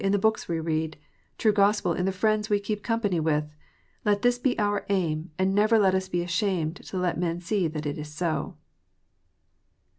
the books we read, true Gospel in the friends we keep company with, let this he our aim, and never let us he ashamed to let men see that it is so.